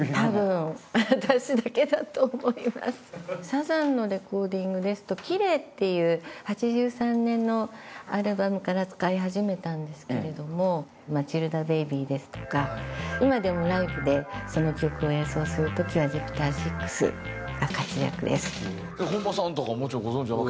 サザンのレコーディングですと『綺麗』っていう８３年のアルバムから使い始めたんですけれども『マチルダＢＡＢＹ』ですとか今でもライブでその曲を演奏する時はＪＵＰＩＴＥＲ−６が活躍です。